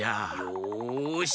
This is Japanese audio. よし！